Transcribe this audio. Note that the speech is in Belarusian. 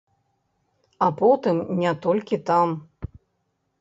А потым не толькі там.